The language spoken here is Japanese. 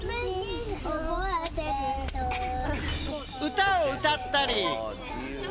歌をうたったり。